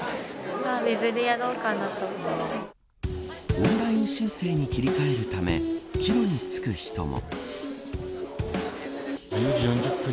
オンライン申請に切り替えるため帰路に就く人も。